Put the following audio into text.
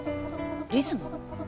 リズム？